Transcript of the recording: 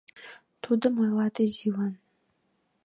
Тудым ойлат изилан.